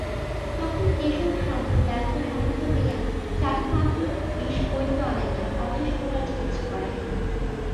তখন কেশবশর্মা ব্যস্ত সমস্ত হইয়া চারি পাঁচ জন বিষবৈদ্য আনাইয়া অযেশপ্রকার চিকিৎসা করাইলেন।